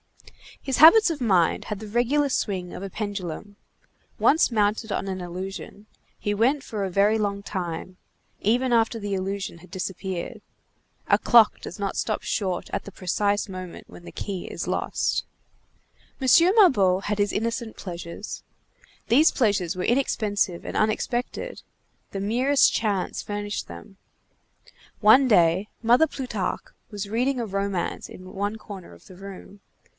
His habits of mind had the regular swing of a pendulum. Once mounted on an illusion, he went for a very long time, even after the illusion had disappeared. A clock does not stop short at the precise moment when the key is lost. M. Mabeuf had his innocent pleasures. These pleasures were inexpensive and unexpected; the merest chance furnished them. One day, Mother Plutarque was reading a romance in one corner of the room.